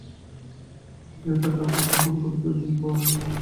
তিনি তার ডাকনাম 'ভবানী'-র পরিবর্তে তাকে 'ভীম ভবানী' বলে সম্বোধন করেন।